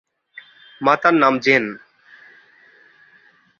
মাতার নাম জেন।